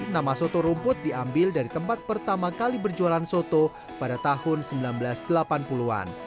nama soto rumput diambil dari tempat pertama kali berjualan soto pada tahun seribu sembilan ratus delapan puluh an